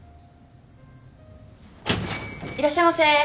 ・いらっしゃいませ。